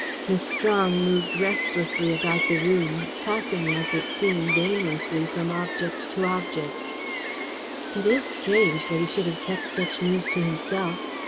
Miss Strong moved restlessly about the room, passing, as it seemed, aimlessly from object to object. "It is strange that he should have kept such news to himself!